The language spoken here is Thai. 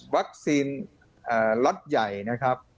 วัคซีนรอดใหญ่นะครับ